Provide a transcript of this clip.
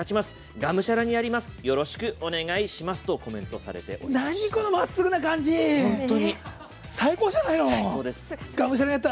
がむしゃらにやります、宜しくお願いします！」とコメントされていました。